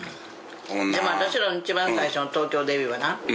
でも私らの一番最初の東京デビューはな